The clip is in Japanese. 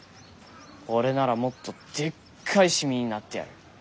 俺ならもっとでっかいシミになってやる。